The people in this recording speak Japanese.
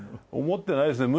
思ってないっすね。